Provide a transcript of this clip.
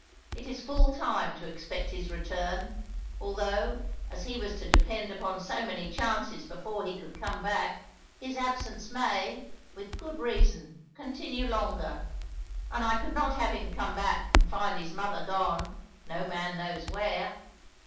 It is full time to expect his return, although, as he was to depend upon so many chances before he could come back, his absence may, with good reason, continue longer, and I could not have him come back and find his mother gone, no man knows where.